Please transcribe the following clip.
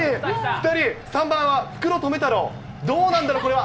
２人、２人３番は袋留めたろう。どうなんだろう、これは。